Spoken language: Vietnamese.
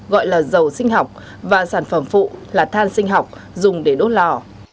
gọi là dầu sinh học và sản phẩm phụ là than sinh học dùng để đốt lò